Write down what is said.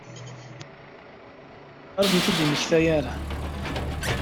Ayɣer ur ten-id-yemmekta ara?